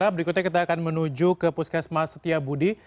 berikutnya kita akan menuju ke puskesmas setia budi